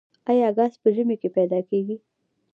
آیا ګاز په ژمي کې پیدا کیږي؟